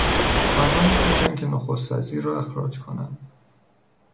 آنها میکوشند که نخستوزیر را اخراج کنند.